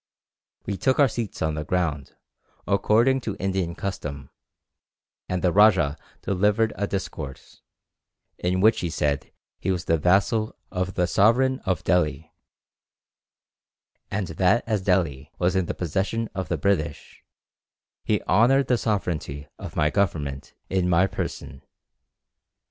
We took our seats on the ground, according to Indian custom, and the rajah delivered a discourse, in which he said he was the vassal of the sovereign of Delhi, and that as Delhi was in the possession of the British, he honoured the sovereignty of my government in my person.